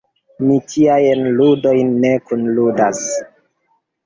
Mi tiajn ludojn ne kunludas.